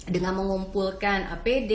dengan mengumpulkan apd